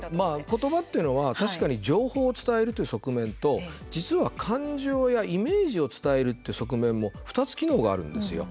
ことばっていうのは確かに情報を伝えるという側面と実は、感情やイメージを伝えるっていう側面も２つ機能があるんですよ。